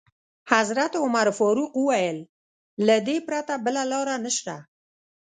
حضرت عمر فاروق وویل: له دې پرته بله لاره نشته.